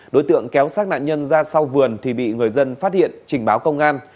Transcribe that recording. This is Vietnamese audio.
đối tượng kéo sát nạn nhân ra sau vườn thì bị người dân phát hiện trình báo công an